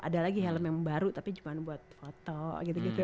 ada lagi helm yang baru tapi cuma buat foto gitu gitu